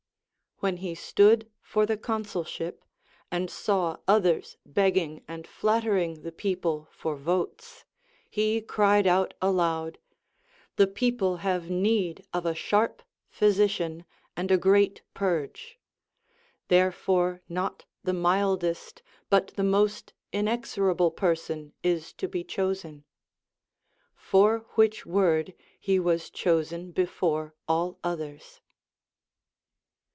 When he stood for the consulship, and saw others begging and flattering the people for votes, he cried out aloud : The people have need of a sharp phy sician and a great purge ; therefore not the mildest but the most inexorable person is to be chosen. For Avhich Avord he was chosen before all others.